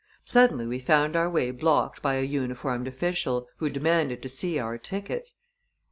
Suddenly, we found our way blocked by a uniformed official, who demanded to see our tickets.